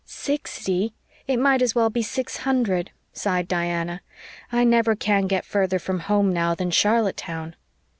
"Sixty! It might as well be six hundred," sighed Diana. "I never can get further from home now than Charlottetown."